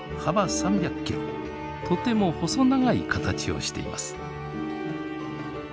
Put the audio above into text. とても細長い形をしています。